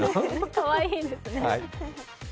かわいいですね。